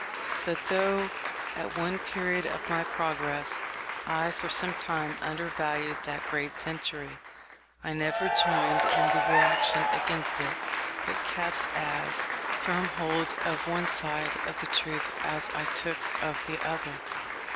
But though, at one period of my progress, I for some time undervalued that great century, I never joined in the reaction against it, but kept as firm hold of one side of the truth as I took of the other.